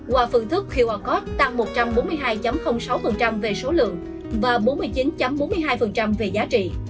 qua phương thức qr code tăng một trăm bốn mươi hai sáu về số lượng và bốn mươi chín bốn mươi hai về giá trị